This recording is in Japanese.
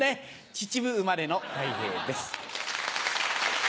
秩父生まれのたい平です。